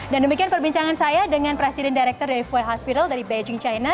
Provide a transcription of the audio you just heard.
dan demikian perbincangan saya dengan presiden direktur dari foy hospital dari beijing china